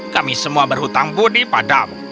kami semua berhutang budi padamu